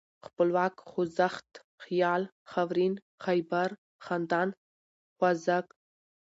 خپلواک ، خوځښت ، خيال ، خاورين ، خيبر ، خندان ، خوازک